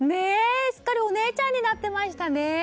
すっかりお姉さんになってましたね。